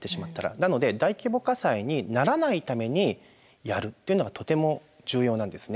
なので大規模火災にならないためにやるっていうのがとても重要なんですね。